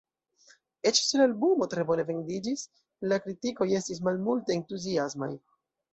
Eĉ se la albumo tre bone vendiĝis, la kritikoj estis malmulte entuziasmaj.